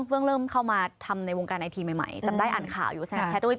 ช่วงเริ่มเข้ามาทำในวงการไอทีใหม่จำได้อ่านข่าวอยู่สนับชาติ